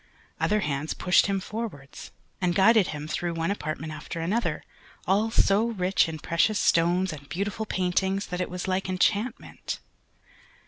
Other hands pushed him forwards, and guided him through one apartment after another, all so rich in precious stones and beautiful paintings, that it was like enchantment.